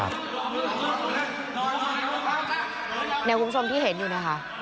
เนี่ยคุณผู้ชมที่เห็นอยู่นะครับ